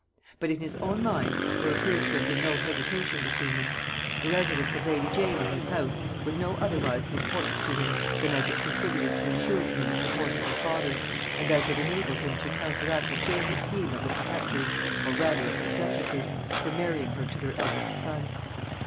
But in his own mind there appears to have been no hesitation between them. The residence of lady Jane in his house was no otherwise of importance to him, than as it contributed to insure to him the support of her father, and as it enabled him to counteract a favorite scheme of the protector's, or rather of his duchess's, for marrying her to their eldest son.